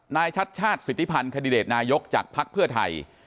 ชัดชาติสิทธิพันธ์คันดิเดตนายกจากภักดิ์เพื่อไทย